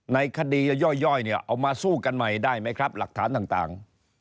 ในคดีย่อยเนี่ยเอามาสู้กันใหม่ได้ไหมครับหลักฐานต่าง